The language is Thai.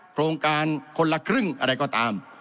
โครงการคนละครึ่งอะไรก็ตาม